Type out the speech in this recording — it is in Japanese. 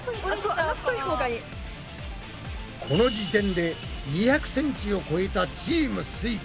この時点で２００ｃｍを超えたチームすイ。